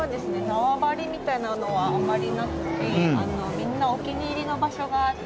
縄張りみたいなのはあまりなくてみんなお気に入りの場所があって。